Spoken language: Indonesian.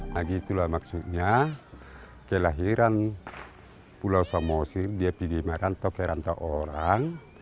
nah gitulah maksudnya kelahiran pulau samosir diapingi marantok marantok orang